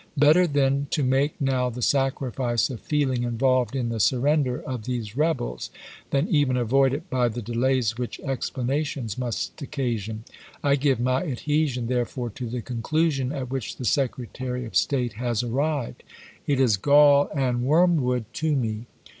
Better, then, to make now the sacrifice of feeling involved in the surrender of these rebels, than even avoid it by the delays which explanations must occasion. I give my adhesion, therefore, to the conclusion at which the Secre tary of State has arrived. It is gall and wormwood to me.